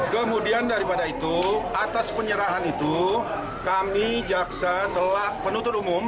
kemudian daripada itu atas penyerahan itu kami jaksa penuntut umum